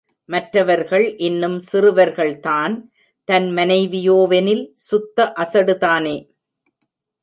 மற்றவர்கள் இன்னும் சிறுவர்கள் தான்.தன் மனைவியோ வெனில்...... சுத்த அசடுதானே!